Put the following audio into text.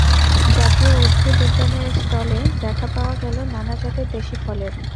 জাতীয় উদ্ভিদ উদ্যানের স্টলে দেখা পাওয়া গেল নানা জাতের দেশি ফলের।